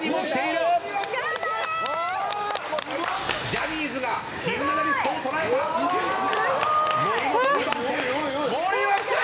ジャニーズが金メダリストを捉えた！